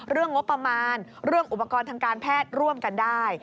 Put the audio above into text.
เรื่องงบประมาณเรื่องอุปกรณ์ทางการแพทย์ร่วมกันได้